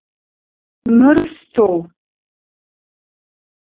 Мыр стол.